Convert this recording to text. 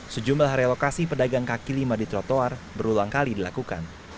sejumlah relokasi pedagang kaki lima di trotoar berulang kali dilakukan